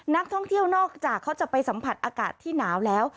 นักท่องเที่ยวนอกจากเขาจะไปสัมผัสอากาศที่หนาวแล้ว